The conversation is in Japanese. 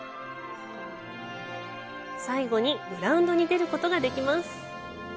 最後にグラウンドに出ることができます。